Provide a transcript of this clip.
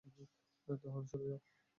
তাহলে সরে যা।